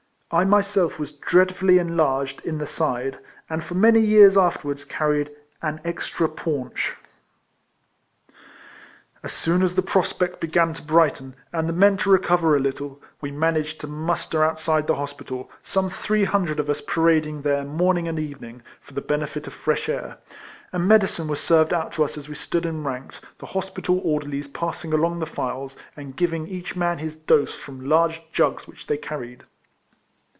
I myself was dreadfully enlarged in the side, and for many years afterwards carried " an extra paunch." As soon as the prospect began to brighten, and the men to recover a little, we managed to muster outside the hospital, some three hundred of us parading there morning and evening, for the benefit of fresh air; and medicine was served out to us as we stood enranked, the hospital orderlies passing EIFLEMAN HARRIS. 265 along the files, and giving each man his dose from large jugs which they carried.